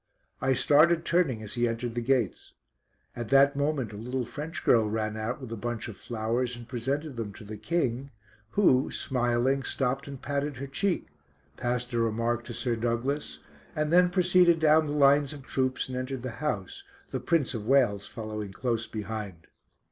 I started turning as he entered the gates. At that moment a little French girl ran out with a bunch of flowers and presented them to the King, who, smiling, stopped and patted her cheek, passed a remark to Sir Douglas, and then proceeded down the lines of troops, and entered the house, the Prince of Wales following close behind.